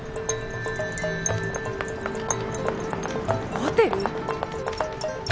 ホテル？